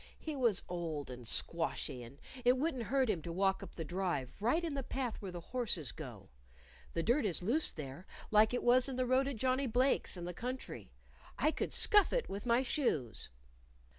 "He was old and squashy, and it wouldn't hurt him to walk up the Drive, right in the path where the horses go. The dirt is loose there, like it was in the road at Johnnie Blake's in the country. I could scuff it with my shoes."